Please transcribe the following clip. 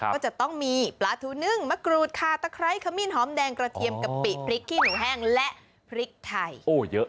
ก็จะต้องมีปลาทูนึ่งมะกรูดคาตะไคร้ขมิ้นหอมแดงกระเทียมกะปิพริกขี้หนูแห้งและพริกไทยเยอะ